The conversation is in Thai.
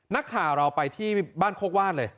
นักข่าวเราไปที่บ้านโคกว่านเลย